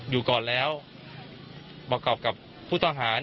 อยู่ก่อนแล้วประกอบกับผู้ต้องหา